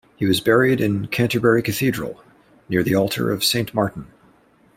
He was buried in Canterbury Cathedral, near the altar of Saint Martin.